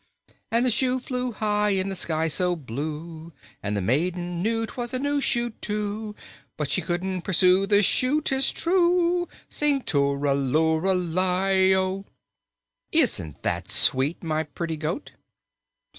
And the shoe flew high to the sky so blue And the maiden knew 'twas a new shoe, too; But she couldn't pursue the shoe, 'tis true Sing too ral oo ral i do! "Isn't that sweet, my pretty goat?"